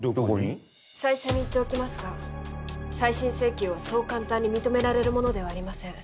最初に言っておきますが再審請求はそう簡単に認められるものではありません。